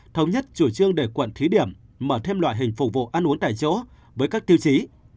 thống nhất chủ trương để quận thí điểm mở thêm loại hình phục vụ ăn uống tại chỗ với các tiêu chí